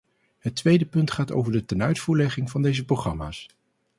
Het tweede punt gaat over de tenuitvoerlegging van deze programma's.